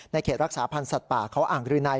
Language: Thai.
เขตรักษาพันธ์สัตว์ป่าเขาอ่างรืนัย